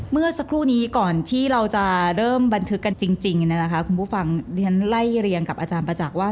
เมื่อสักครู่นี้ก่อนที่เราจะเริ่มบันทึกกันจริงคุณผู้ฟังที่ฉันไล่เรียงกับอาจารย์ประจักษ์ว่า